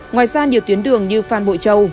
ngoài ra nhiều tuyến đường như phan bội châu